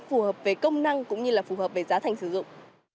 phù hợp về công năng cũng như là phù hợp với giá thành sử dụng